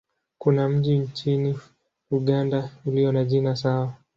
Kuna mji nchini Uganda ulio na jina sawa.